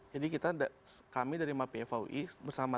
jadi kami dari mapi fhui bersama